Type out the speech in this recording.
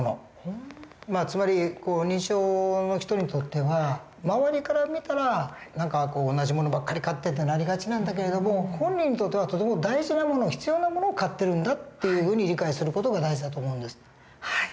つまり認知症の人にとっては周りから見たら何か「同じ物ばっかり買って」ってなりがちなんだけれども本人にとってはとても大事な物必要な物を買ってるんだっていうふうに理解する事が大事だと思うんです。